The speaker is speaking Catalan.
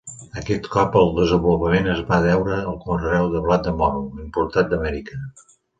Aquest cop el desenvolupament es va deure al conreu del blat de moro, importat d'Amèrica.